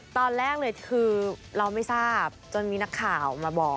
ตอนแรกเลยคือเราไม่ทราบจนมีนักข่าวมาบอก